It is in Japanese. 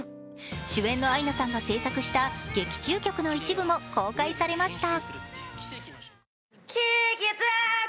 主演のアイナさんが制作した劇中曲の一部も公開されました。